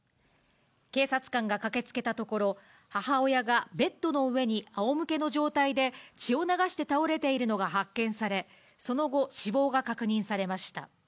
警察官が駆けつけたところ、母親がベッドの上にあおむけの状態で血を流して倒れているのが発見され、その後、死亡が確認されました。